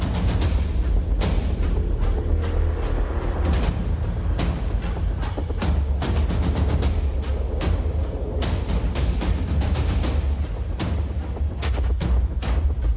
สวัสดีค่ะ